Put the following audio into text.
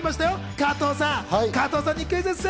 加藤さんにクイズッス！